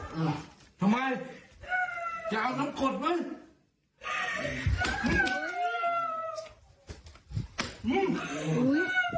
ดูจำกูดียัง